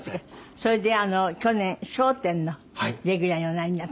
それで去年『笑点』のレギュラーにおなりになった。